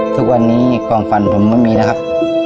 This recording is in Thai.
ทุกวันนี้ความฝันผมไม่มีแล้วครับ